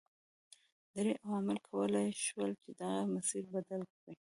درې عواملو کولای شول چې دغه مسیر بدل کړي.